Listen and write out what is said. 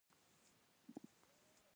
د اسلام پيغمبر ص وفرمايل بريا له صبر سره ده.